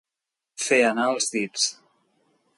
Fer anar els dits.